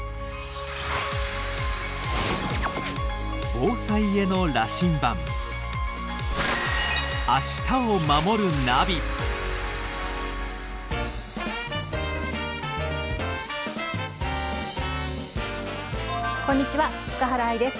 防災への羅針盤こんにちは塚原愛です。